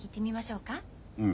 うん。